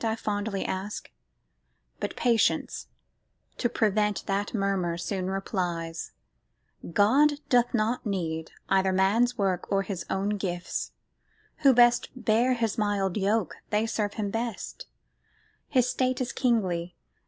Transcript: I fondly ask ; but Patience, to prevent That murmur, soon replies, God doth not need Either man's work or His own gifts: who best Bear His mild yoke, they serve Him best; His state Is kingly.